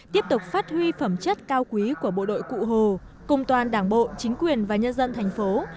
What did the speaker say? tiếp tục phát huy phẩm chất cao quý của bộ đội cụ hồ cung toàn đảng bộ chính quyền và nhân dân tp hcm